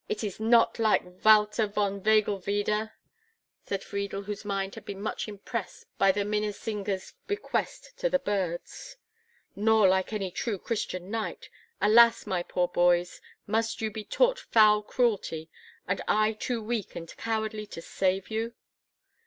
"It is not like Walther of Vögelwiede," said Friedel, whose mind had been much impressed by the Minnesinger's bequest to the birds. "Nor like any true Christian knight. Alas, my poor boys, must you be taught foul cruelty and I too weak and cowardly to save you?"